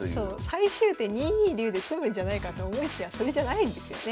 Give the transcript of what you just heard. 最終手２二竜で詰むんじゃないかと思いきやそれじゃないんですよね。